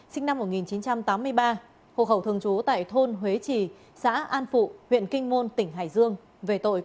sinh năm một nghìn chín trăm tám mươi ba hộ khẩu thường trú tại thôn huế trì xã an phụ huyện kinh môn tỉnh hải dương về tội